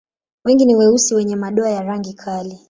Wengi ni weusi wenye madoa ya rangi kali.